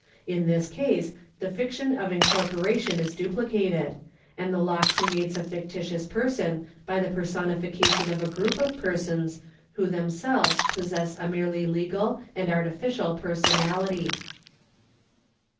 In this case the fiction of incorporation is duplicated, and the law creates a fictitious person by the personification of a group of persons who themselves possess a merely legal and artificial personality.